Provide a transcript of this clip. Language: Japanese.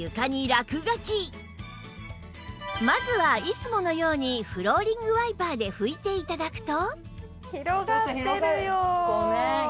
まずはいつものようにフローリングワイパーで拭いて頂くと